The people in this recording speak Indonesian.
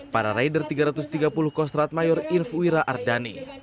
para raider tiga ratus tiga puluh kostrad mayor inf wira ardhani